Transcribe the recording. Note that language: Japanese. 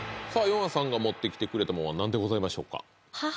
ヨンアさんが持ってきてくれたものは何でございましょうか？